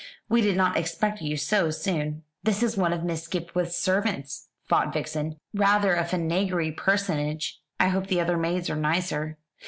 We did not expect you so soon." "This is one of Miss Skipwith's servants," thought Vixen; "rather a vinegary personage. I hope the other maids are nicer."